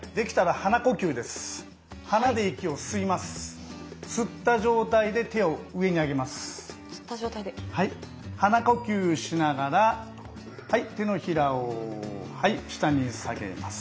鼻呼吸しながら手のひらを下に下げます。